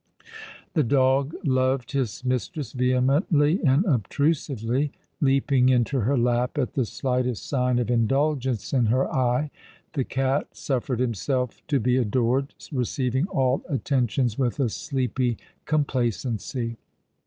' The dog loved his mistress vehemently and obtrusively, leaping into her lap at the slightest sign of indulgence in her eye. The cat suffered himself to be adored, receiving all attentions with a sleepy complacency.